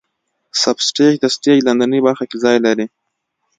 سب سټیج د سټیج لاندینۍ برخه کې ځای لري.